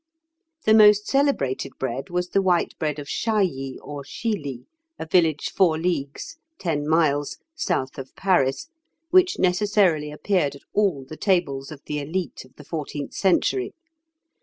] The most celebrated bread was the white bread of Chailly or Chilly, a village four leagues (ten miles) south of Paris, which necessarily appeared at all the tables of the élite of the fourteenth century.